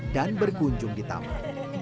dan berkunjung di taman